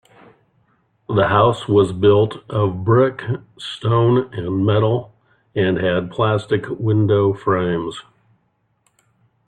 The house was built of brick, stone and metal, and had plastic window frames.